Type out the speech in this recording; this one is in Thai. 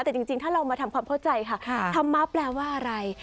แต่จริงถ้าเรามาทำความเข้าใจค่ะธรรมะแปลว่าอะไร